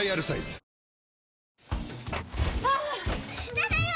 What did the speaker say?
ただいま！